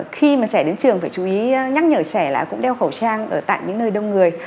khi mà trẻ đến trường phải chú ý nhắc nhở trẻ là cũng đeo khẩu trang ở tại những nơi đông người